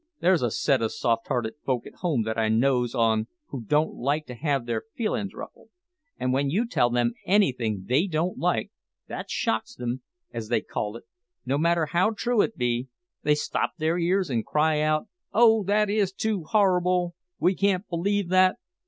There's a set o' soft hearted folk at home that I knows on who don't like to have their feelin's ruffled; and when you tell them anything they don't like that shocks them, as they call it no matter how true it be, they stop their ears and cry out, `Oh, that is too horrible! We can't believe that!'